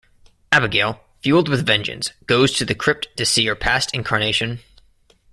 Abigail, fueled with vengeance, goes to the crypt to see her past incarnation.